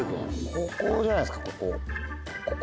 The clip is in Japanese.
ここじゃないですかここ。